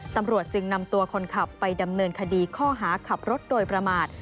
ตำรวจจึงนำตัวคนขับไปดำเนินคดีข้อหาขับรถโดยประมาท